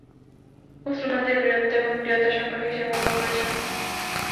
মুসলমানদের বীরত্ব এবং দৃঢ়তা সম্পর্কেও সে ভাল করে জানত।